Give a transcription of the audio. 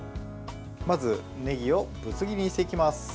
まず、ねぎをぶつ切りにしていきます。